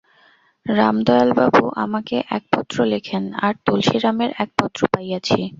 রামদয়ালবাবু আমাকে এক পত্র লেখেন, আর তুলসীরামের এক পত্র পাইয়াছি।